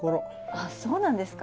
あっそうなんですか？